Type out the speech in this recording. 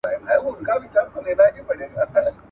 که ته په هره جمله کي نوي توري ولیکې.